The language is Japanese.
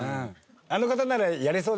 あの方ならやれそうだよね。